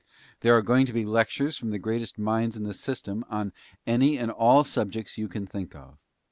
There are going to be lectures from the greatest minds in the system on any and all subjects you can think of.